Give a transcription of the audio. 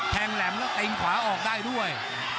แหลมแล้วเต็งขวาออกได้ด้วย